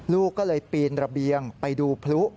ลูกก็เลยปีนระเบียงไปดูพลุ